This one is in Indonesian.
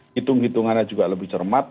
hitung hitungannya juga lebih cermat